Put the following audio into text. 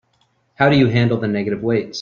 How do you handle the negative weights?